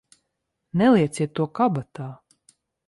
Nelieciet to kabatā!